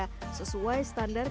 sesuai struktur kualitas dan kualitas